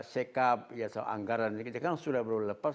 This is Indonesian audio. sekap anggaran kita kan sudah baru lepas